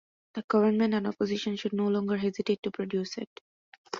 The Government and Opposition should no longer hesitate to produce it.